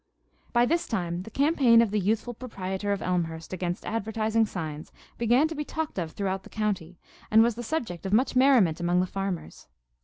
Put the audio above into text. By this time the campaign of the youthful proprietor of Elmhurst against advertising signs began to be talked of throughout the county, and was the subject of much merriment among the farmers.